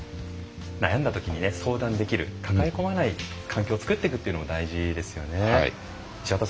悩んだときに相談できる抱え込まない状況を作っていくっていうのも大事ですよね。